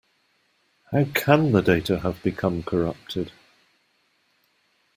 How can the data have become corrupted?